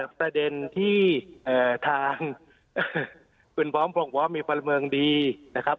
ประเด็นที่ทางคุณพร้อมพงพร้อมมีพลเมืองดีนะครับ